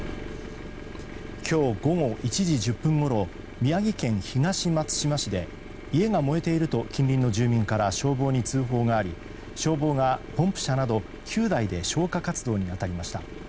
今日午後１時１０分ごろ宮城県東松島市で家が燃えていると近隣の住民から消防に通報があり消防がポンプ車など９台で消火活動に当たりました。